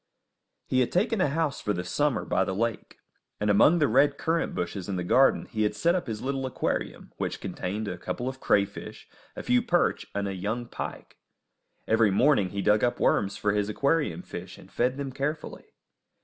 He had taken a house for the summer by the lake, and among the red currant bushes in the garden he had set up his little aquarium, which contained a couple of crayfish, a few perch, and a young pike. Every morning he dug up worms for his aquarium fish, and fed them carefully.